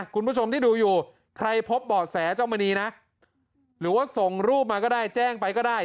คุณผู้ชมที่ดูอยู่ใครพบบ่อแสเจ้ามณีนะหรือว่าส่งรูปมาก็ได้แจ้งไปก็ได้